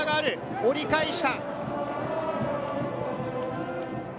切り返した！